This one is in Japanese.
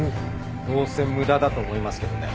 どうせ無駄だと思いますけどね。